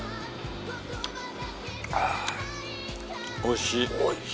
おいしい。